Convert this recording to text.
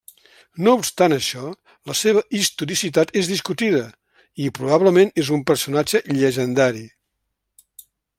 No obstant això, la seva historicitat és discutida i, probablement, és un personatge llegendari.